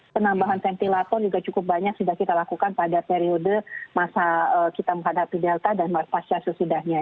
penambahan ventilator juga cukup banyak sudah kita lakukan pada periode masa kita menghadapi delta dan pasca sesudahnya